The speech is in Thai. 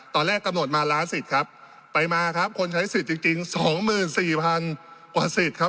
ตอนแรกกำหนดมาล้านสิทธิ์ครับไปมาครับคนใช้สิทธิ์จริงจริงสองหมื่นสี่พันกว่าสิทธิ์ครับ